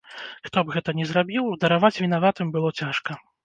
Хто б гэта ні зрабіў, дараваць вінаватым было цяжка.